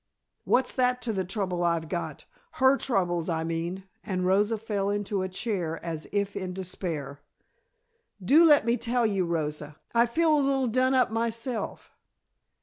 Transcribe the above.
What's that to the trouble I've got? Her troubles, I mean," and Rosa fell into a chair as if in despair. "Do let me tell you, Rosa. I feel a little done up myself."